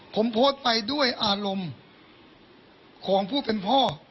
ผมโพสต์ไปด้วยอารมณ์ของผู้เป็นพ่อ